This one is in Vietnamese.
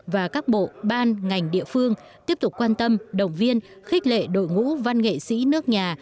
và các bộ ban ngành địa phương tiếp tục quan tâm động viên khích lệ đội ngũ văn nghệ sĩ nước nhà